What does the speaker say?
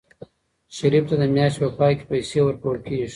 شریف ته د میاشتې په پای کې پیسې ورکول کېږي.